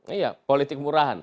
iya politik murahan